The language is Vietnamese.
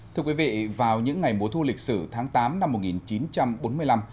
thưa quý vị vào những ngày mùa thu lịch sử tháng tám năm một nghìn chín trăm bốn mươi năm